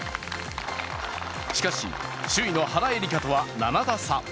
しかし、首位の原英莉花とは７打差。